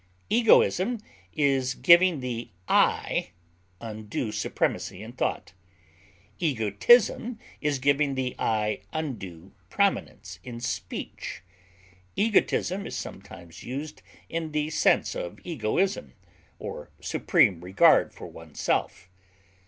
Egoism is giving the "I" undue supremacy in thought; egotism is giving the "I" undue prominence in speech. Egotism is sometimes used in the sense of egoism, or supreme regard for oneself.